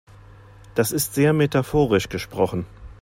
Das ist sehr metaphorisch gesprochen.